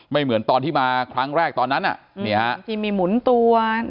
เหมือนตอนที่มาครั้งแรกตอนนั้นอ่ะนี่ฮะที่มีหมุนตัว